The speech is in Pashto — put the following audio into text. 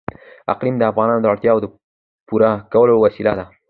اقلیم د افغانانو د اړتیاوو د پوره کولو وسیله ده.